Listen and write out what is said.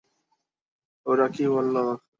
ওরা কী বলল?